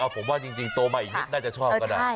ผมว่าจริงโตมาอีกนิดน่าจะชอบก็ได้